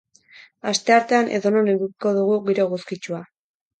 Asteartean edonon edukiko dugu giro eguzkitsua.